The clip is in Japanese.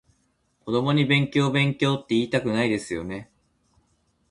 子供に勉強勉強っていいたくないですよね？